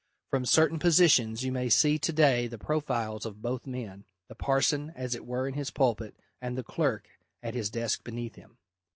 From certain positions you may see to day the profiles of both men, the parson as it were in his pulpit, and the clerk at his desk beneath him.